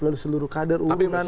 lalu seluruh kader urunan